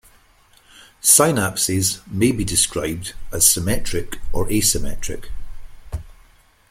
Synapses may be described as symmetric or asymmetric.